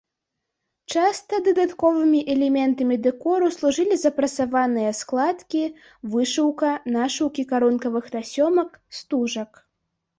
Часта дадатковымі элементамі дэкору служылі запрасаваныя складкі, вышыўка, нашыўкі карункавых тасёмак, стужак.